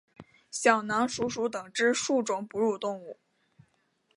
小囊鼠属等之数种哺乳动物。